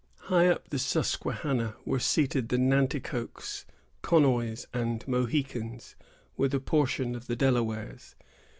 High up the Susquehanna were seated the Nanticokes, Conoys, and Mohicans, with a portion of the Delawares.